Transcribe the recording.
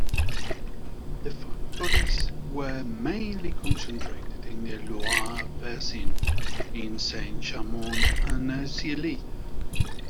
The factories were mainly concentrated in the Loire basin, in Saint-Chamond and Assailly.